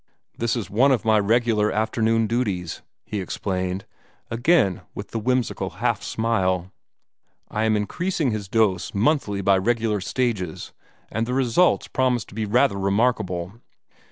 "This is one of my regular afternoon duties," he explained, again with the whimsical half smile. "I am increasing his dose monthly by regular stages, and the results promise to be rather remarkable.